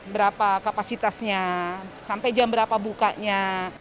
berapa kapasitasnya sampai jam berapa bukanya